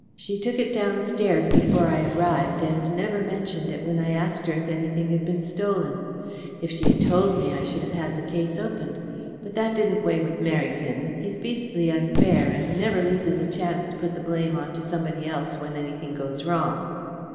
She took it downstairs before I arrived, and never mentioned it when I asked her if anything had been stolen. If she had told me I should have had the case opened. But that didn't weigh with Merrington. He's beastly unfair, and never loses a chance to put the blame on to somebody else when anything goes wrong."